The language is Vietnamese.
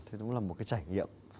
thế đúng là một cái trải nghiệm